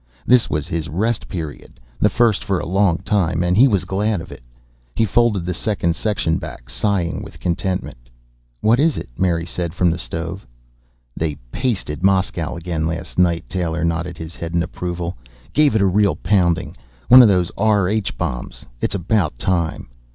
This was his Rest Period, the first for a long time, and he was glad of it. He folded the second section back, sighing with contentment. "What is it?" Mary said, from the stove. "They pasted Moscow again last night." Taylor nodded his head in approval. "Gave it a real pounding. One of those R H bombs. It's about time."